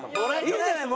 いいじゃない。